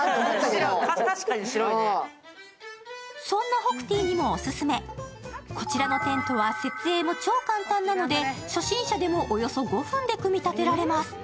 そんなほくてぃにもオススメ、こちらのテントは設営も超簡単なので初心者でもおよそ５分で組み立てられます。